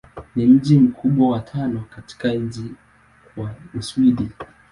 Ni mji mkubwa wa tano katika nchi wa Uswidi.